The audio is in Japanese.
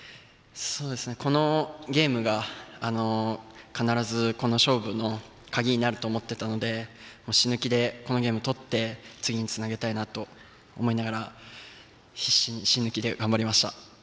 このゲームが必ず、この勝負の鍵になると思っていたので死ぬ気でこのゲームを取って次につなげたいなと思いながら必死に死ぬ気で頑張りました。